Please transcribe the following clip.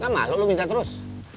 gak malu lu minta terus